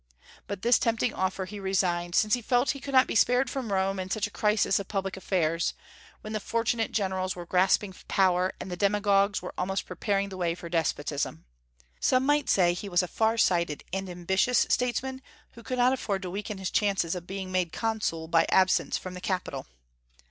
But this tempting offer he resigned, since he felt he could not be spared from Rome in such a crisis of public affairs, when the fortunate generals were grasping power and the demagogues were almost preparing the way for despotism. Some might say he was a far sighted and ambitious statesman, who could not afford to weaken his chances of being made Consul by absence from the capital.